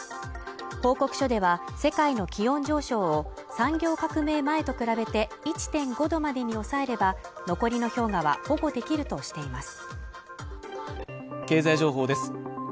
報告書では世界の気温上昇を産業革命前と比べて１．５度までに抑えれば残りの氷河は保護できるとしています